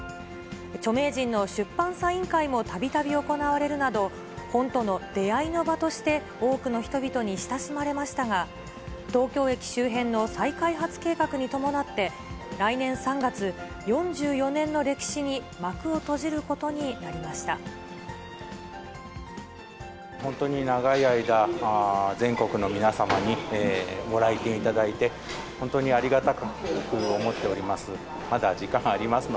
著名人の出版サイン会もたびたび行われるなど、本との出会いの場として多くの人々に親しまれましたが、東京駅周辺の再開発計画に伴って、来年３月、４４年の歴史に幕を閉本当に長い間、全国の皆様にご来店いただいて、本当にありがたく思っております。